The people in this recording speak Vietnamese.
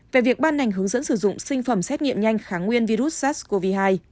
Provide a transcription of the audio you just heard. về việc ban hành hướng dẫn sử dụng sinh phẩm xét nghiệm nhanh kháng nguyên virus sars cov hai